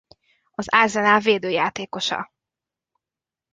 Az Arsenal védőjátékosa.